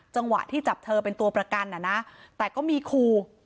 จังหวะที่จับเธอเป็นตัวประกันอ่ะนะแต่ก็มีครู